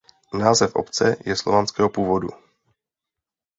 Název obce je slovanského původu.